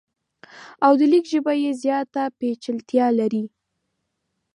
او د لیک ژبه یې زیاته پیچلتیا لري.